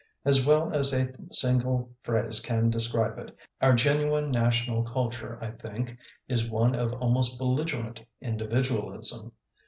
As well as a single phrase can describe it, our genu ine national culture, I think, is one of almost belligerent individualism.